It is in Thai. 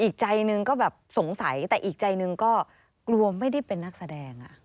อีกใจหนึ่งก็แบบสงสัยแต่อีกใจหนึ่งก็กลัวไม่ได้เป็นนักแสดง